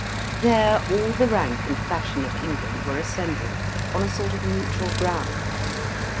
There all the rank and fashion of England were assembled on a sort of neutral ground.